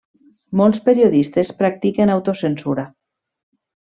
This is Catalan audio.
Molts periodistes practiquen autocensura.